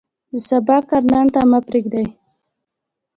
د سبا کار نن ته مه پرېږدئ.